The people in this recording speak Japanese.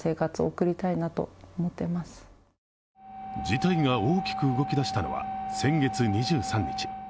事態が大きく動き出したのは先月２３日。